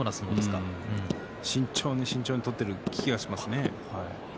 慎重に慎重に取っている気がします。